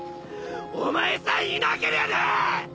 お前さえいなけりゃなぁ！